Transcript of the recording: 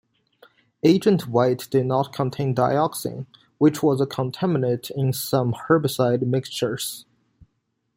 Agent White did not contain dioxin, which was a contaminant in some herbicide mixtures.